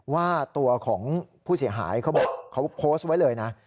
ว่าตัวของผู้เสียหายเขาบอกเขาโพสต์ไว้เลยนะ